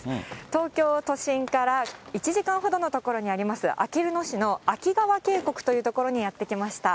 東京都心から１時間ほどの所にあります、あきる野市のあき川渓谷という所にやって来ました。